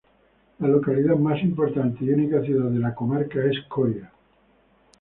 La localidad más importante y única ciudad de la comarca es Coria.